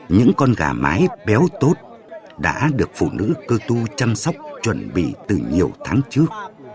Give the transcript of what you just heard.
những con gà mái béo tốt đã được phụ nữ cơ tu chăm sóc chuẩn bị từ nhiều tháng trước